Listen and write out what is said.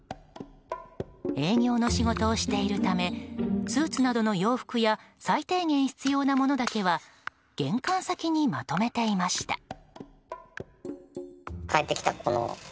営業の仕事をしているためスーツなどの洋服や最低限必要なものだけは玄関先にまとめていました。